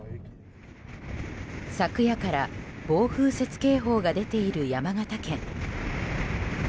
昨夜から暴風雪警報が出ている山形県。